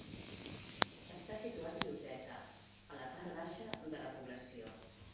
Està situat a Lloseta, a la part baixa de la població.